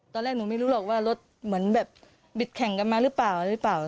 ตอนแรกหนูไม่รู้หรอกว่ารถเหมือนแบบบิดแข่งกันมาหรือเปล่าหรือเปล่า